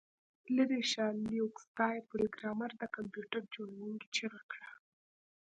لیرې شه لیوک سکای پروګرامر د کمپیوټر جوړونکي چیغه کړه